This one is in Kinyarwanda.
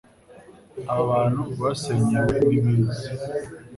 aba bantu basenyewe nibiza